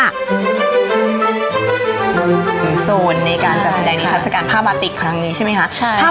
โซนในการจัดแสดงนิทัศกาลผ้าบาติกครั้งนี้ใช่ไหมคะ